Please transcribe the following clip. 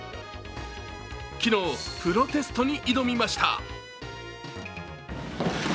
昨日、プロテストに挑みました。